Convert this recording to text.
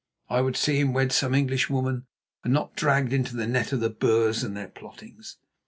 I would see him wed to some English woman, and not dragged into the net of the Boers and their plottings.